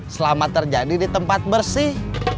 selama terjadi di tempat bersih